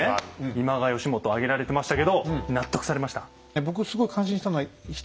今川義元挙げられてましたけど納得されました？